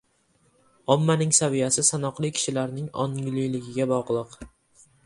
Ommaning saviyasi sanoqli kishilarning ongliligiga bog‘liq.